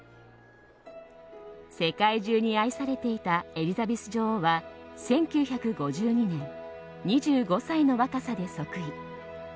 世界中に愛されていたエリザベス女王は１９５２年、２５歳の若さで即位。